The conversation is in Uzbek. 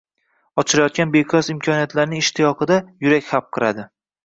ochilayotgan beqiyos imkoniyatlarning ishtiyoqida yurak hapqiradi.